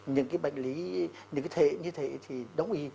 những cái bệnh lý những cái thể như thế thì đóng y